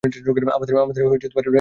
আমাদের এটা করতেই হবে!